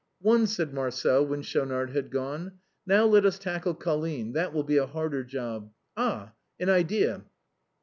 " One," said Marcel, when Schaunard had gone. " Now let us tackle Colline, that will be a harder job. Ah! an idea.